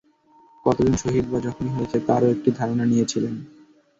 কতজন শহীদ বা জখমী হয়েছে তারও একটি ধারণা নিয়েছিলেন।